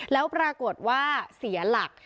แล้วปรากฏว่าเสียหลัก